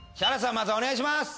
まずお願いします。